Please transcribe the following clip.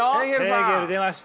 ヘーゲル出ました。